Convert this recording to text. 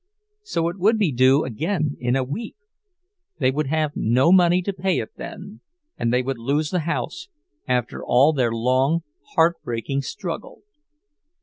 So it would be due again in a week! They would have no money to pay it then—and they would lose the house, after all their long, heartbreaking struggle.